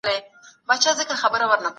د دولتي چارواکو لپاره یې کوم شرایط ټاکلي وو؟